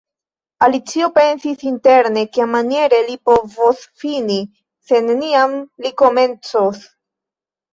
Alicio pensis interne, "Kiamaniere li povos fini, se neniam li komencos. »